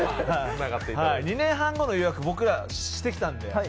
２年半後の予約僕らしてきたんで。